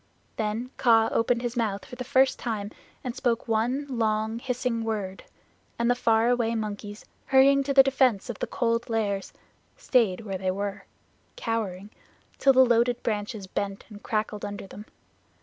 Then Kaa opened his mouth for the first time and spoke one long hissing word, and the far away monkeys, hurrying to the defense of the Cold Lairs, stayed where they were, cowering, till the loaded branches bent and crackled under them.